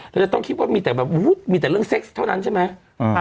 เราจะต้องคิดว่ามีแต่แบบมีแต่เรื่องเซ็กซ์เท่านั้นใช่ไหม